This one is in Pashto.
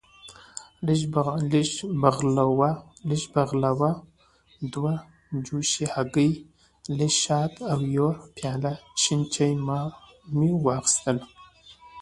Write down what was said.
لږه بغلاوه، دوه جوشې هګۍ، لږ شات او یو پیاله شین چای مې واخیستل.